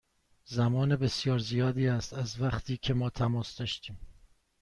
زمان بسیار زیادی است از وقتی که ما تماس داشتیم.